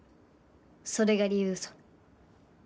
それが理由ぞ。